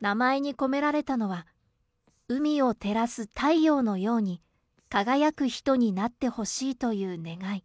名前に込められたのは、海を照らす太陽のように、輝く人になってほしいという願い。